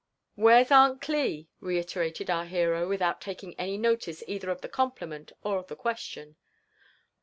" Where's Aunt Cli?" reiterated our hero, without taking any no tice either of the compliment or the question.